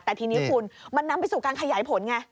แต่ทีนี้คุณมันนำไปสู่การขยายผลไง